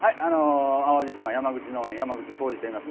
淡路島山口農園、山口幸二と申します。